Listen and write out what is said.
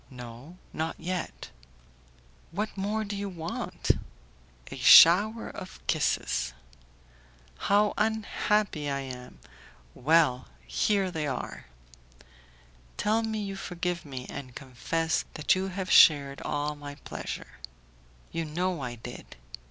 "No, not yet." "What more do you want?" "A shower of kisses." "How unhappy I am! Well! here they are." "Tell me you forgive me, and confess that you have shared all my pleasure." "You know I did.